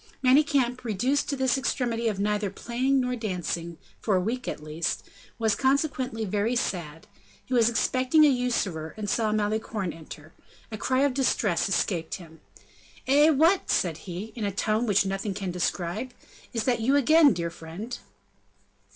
Manicamp, reduced to this extremity of neither playing nor dancing, for a week at least, was, consequently, very sad; he was expecting a usurer, and saw Malicorne enter. A cry of distress escaped him. "Eh! what!" said he, in a tone which nothing can describe, "is that you again, dear friend?"